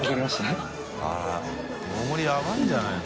臉ヤバイんじゃないの？